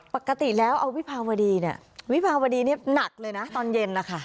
ปกติแล้วเอาวิภาวดีเนี่ยวิภาวดีนี่หนักเลยนะตอนเย็นนะคะ